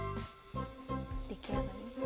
出来上がり？